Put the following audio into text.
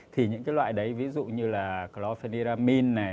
thì những loại đấy ví dụ như là clorfeniramine